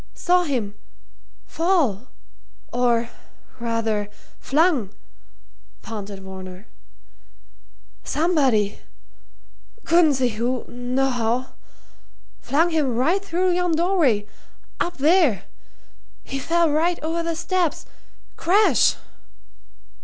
"Saw him fall. Or rather flung!" panted Varner. "Somebody couldn't see who, nohow flung him right through yon doorway, up there. He fell right over the steps crash!"